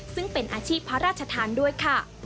ซึ่งเป็นอาชีพพระราชทานด้วยค่ะ